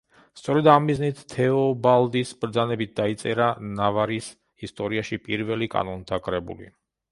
სწორედ ამ მიზნით, თეობალდის ბრძანებით დაიწერა ნავარის ისტორიაში პირველი კანონთა კრებული.